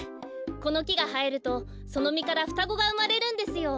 このきがはえるとそのみからふたごがうまれるんですよ。